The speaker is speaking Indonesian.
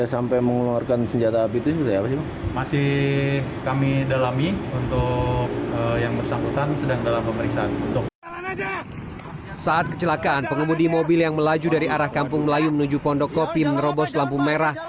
saat kecelakaan pengemudi mobil yang melaju dari arah kampung melayu menuju pondok kopi menerobos lampu merah